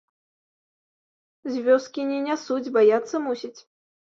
З вёскі не нясуць, баяцца, мусіць.